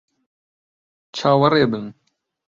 چاوەڕێ بن!